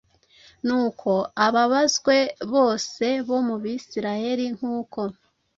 Nuko ababazwe bose bo mu Bisirayeli nkuko